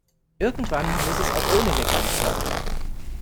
Irgendwann muss es auch ohne Leckerli klappen.